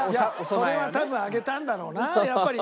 それは多分あげたんだろうなやっぱり。